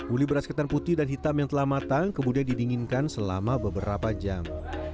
uli beras ketan putih dan hitam yang telah matang kemudian didinginkan selama beberapa jam